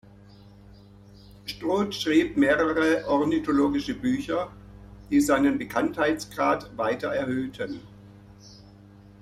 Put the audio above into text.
Stroud schrieb mehrere ornithologische Bücher, die seinen Bekanntheitsgrad weiter erhöhten.